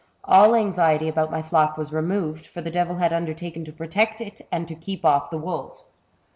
All anxiety about my flock was removed, for the devil had undertaken to protect it and to keep off the wolves.